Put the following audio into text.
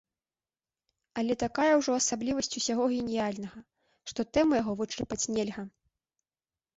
Але такая ўжо асаблівасць усяго геніяльнага, што тэму яго вычарпаць нельга.